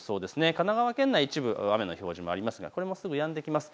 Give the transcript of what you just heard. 神奈川県内、一部雨の表示もありますがこれもすぐやんできます。